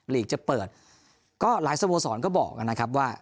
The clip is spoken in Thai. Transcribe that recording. ลีกจะเปิดก็หลายสโมสรก็บอกนะครับว่า